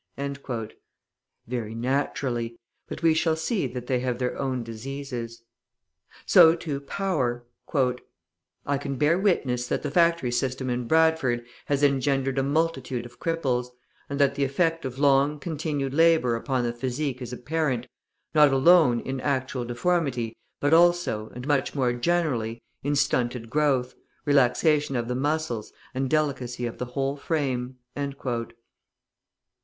(Very naturally. But we shall see that they have their own diseases.) So, too, Power: {157a} "I can bear witness that the factory system in Bradford has engendered a multitude of cripples, and that the effect of long continued labour upon the physique is apparent, not alone in actual deformity, but also, and much more generally, in stunted growth, relaxation of the muscles, and delicacy of the whole frame."